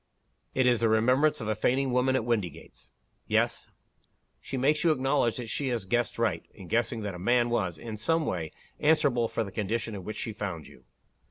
It is the remembrance of a fainting woman at Windygates." "Yes." "She makes you acknowledge that she has guessed right, in guessing that a man was, in some way, answerable for the condition in which she found you.